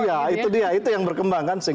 iya itu dia itu yang berkembang kan